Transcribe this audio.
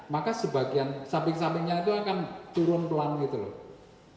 maka sebagian samping sampingnya itu akan turun pelan gitu loh